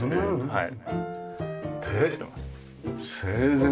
はい。